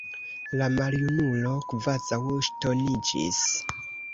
La maljunulo kvazaŭ ŝtoniĝis.